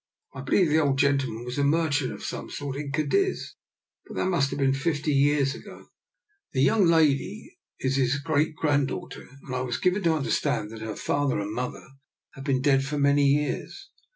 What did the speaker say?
I believe the old gentleman was a merchant of some sort in Cadiz, but that must have been fifty years ago. The young lady is his 8o DR. NIKOLA'S EXPERIMENT. great granddaughter, and I was given to un derstand that her father and mother have been dead for many years.